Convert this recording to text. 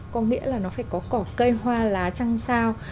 có nghĩa là nó phải có cỏ cây hoa lá trăng sao